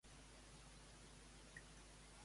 Qui va ser Crates d'Atenes?